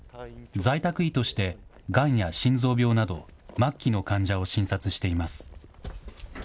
在宅医としてがんや心臓病など末期の患者を診察しています。